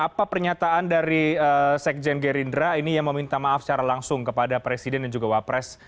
apa pernyataan dari sekjen gerindra ini yang meminta maaf secara langsung kepada presiden dan juga wapres